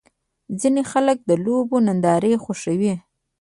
ځینې خلک د لوبو نندارې خوښوي.